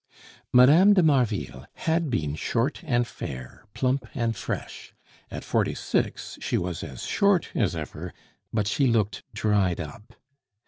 Mme. de Marville had been short and fair, plump and fresh; at forty six she was as short as ever, but she looked dried up.